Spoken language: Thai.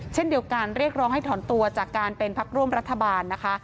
เช่นเดียวกันเรียกร้องให้ถอนตัวจากการเป็นพักร่วมรัฐบาลนะคะ